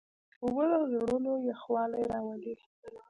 اوبه د زړونو یخوالی راولي.